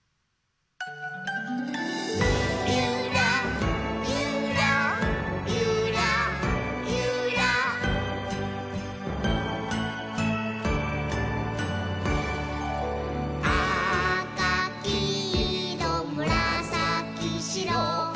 「ゆらゆらゆらゆら」「あかきいろむらさきしろ」